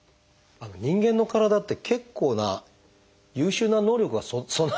人間の体って結構な優秀な能力が備わっているっていう。